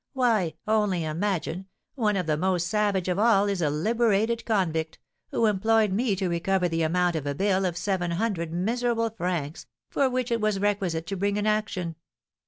"Why, only imagine, one of the most savage of all is a liberated convict, who employed me to recover the amount of a bill of seven hundred miserable francs, for which it was requisite to bring an action.